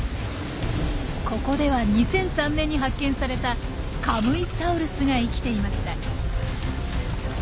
ここでは２００３年に発見されたカムイサウルスが生きていました。